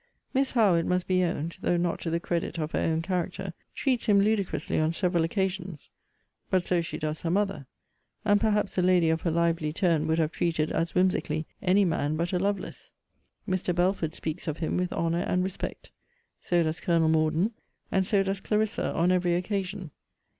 Miss Howe, it must be owned, (though not to the credit of her own character,) treats him ludicrously on several occasions. But so she does her mother. And perhaps a lady of her lively turn would have treated as whimsically any man but a Lovelace. Mr. Belford speaks of him with honour and respect. So does Colonel Morden. And so does Clarissa on every occasion.